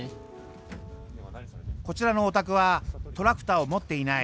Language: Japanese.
こちらのお宅はトラクターを持っていない。